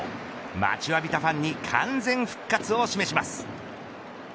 待ちわびたファンに完全復活を示します。